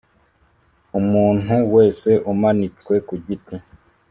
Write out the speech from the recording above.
Umuntu wese umanitswe ku giti